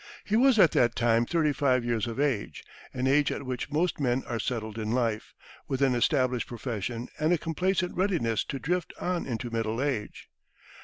He was at that time thirty five years of age an age at which most men are settled in life, with an established profession, and a complacent readiness to drift on into middle age.